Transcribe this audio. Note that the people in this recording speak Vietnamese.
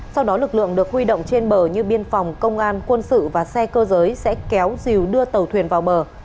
sau đó lực lượng được huy động trên bờ như biên phòng công an quân sự và xe cơ giới sẽ kéo rìu đưa tàu thuyền vào bờ